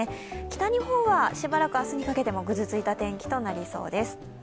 北日本はしばらく明日にかけてもぐずついた天気となりそうです。